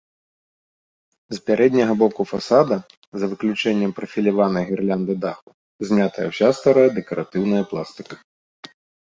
З пярэдняга боку фасада, за выключэннем прафіляванай гірлянды даху, знятая ўся старая дэкаратыўная пластыка.